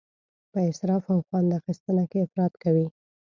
په اسراف او خوند اخیستنه کې افراط کوي.